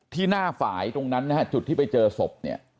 ที่หน้าฝ่ายตรงนั้นจุดที่ไปเจอสบ